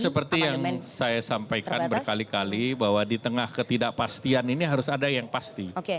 seperti yang saya sampaikan berkali kali bahwa di tengah ketidakpastian ini harus ada yang pasti